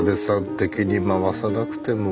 敵に回さなくても。